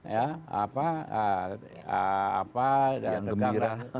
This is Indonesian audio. ya apa apa yang tegang